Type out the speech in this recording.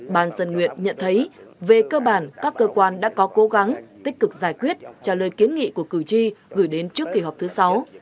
bàn dân nguyện nhận thấy về cơ bản các cơ quan đã có cố gắng tích cực giải quyết trả lời kiến nghị của cử tri gửi đến trước kỳ họp thứ sáu